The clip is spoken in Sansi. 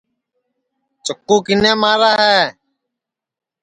چکُو کِنے مارا ہے